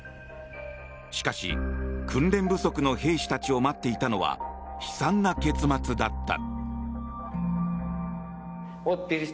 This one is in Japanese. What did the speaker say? しかし、訓練不足の兵士たちを待っていたのは悲惨な結末だった。